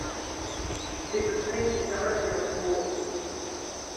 It was painted directly on the wall.